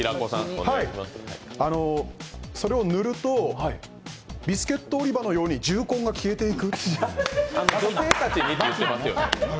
それを塗ると、ビスケット売り場のように銃痕が消えていく。